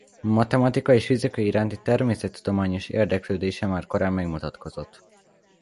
Matematika és fizika iránti természettudományos érdeklődése már korán megmutatkozott.